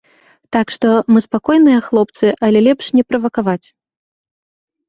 Так што, мы спакойныя хлопцы, але лепш не правакаваць.